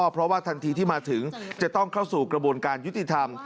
เพราะว่าทันทีที่มาถึงจะต้องเข้าสู่กระบวนการยุติธรรม